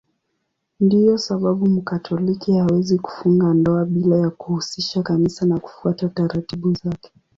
Ndiyo sababu Mkatoliki hawezi kufunga ndoa bila ya kuhusisha Kanisa na kufuata taratibu zake.